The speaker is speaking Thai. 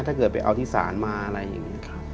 ถ้าเกิดไปเอาที่ศาลมาอะไรอย่างนี้